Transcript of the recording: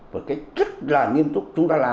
một cái rất là nghiêm túc chúng ta làm